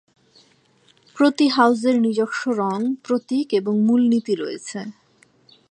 প্রতি হাউজের নিজস্ব রং, প্রতীক এবং মূলনীতি রয়েছে।